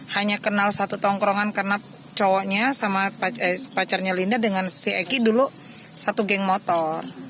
hanya kenal satu tongkrongan karena cowoknya sama pacarnya linda dengan si eki dulu satu geng motor